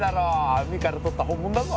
海から取った本物だぞ。